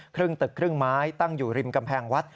ครึ่งตึกครึ่งไม้ตั้งอยู่ริมกำแพงวัด